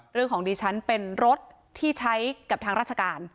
เรื่องของดีฉันเป็นรถที่ใช้กับทางราชการ